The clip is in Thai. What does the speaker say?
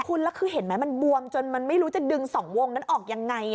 คุณแล้วคือเห็นไหมมันบวมจนมันไม่รู้จะดึงสองวงนั้นออกยังไง